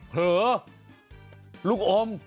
หรือลูกอม